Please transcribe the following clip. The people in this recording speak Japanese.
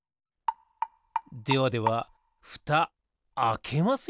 ではではふたあけますよ。